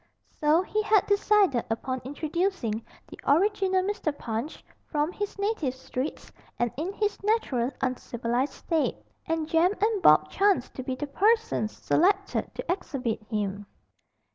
So he had decided upon introducing the original Mr. Punch from his native streets and in his natural uncivilised state, and Jem and Bob chanced to be the persons selected to exhibit him.